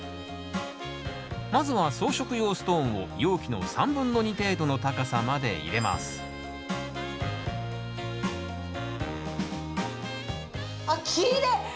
まずは装飾用ストーンを容器の３分の２程度の高さまで入れますあっきれい！